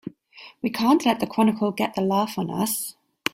We can't let the Chronicle get the laugh on us!